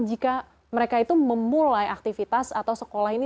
jika mereka itu memulai aktivitas atau sekolah ini